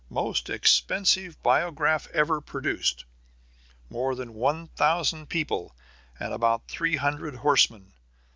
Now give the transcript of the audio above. Most expensive Biograph ever produced. More than one thousand people and about three hundred horsemen.